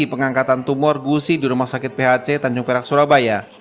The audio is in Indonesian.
pengangkatan tumor gusi di rumah sakit phc tanjung perak surabaya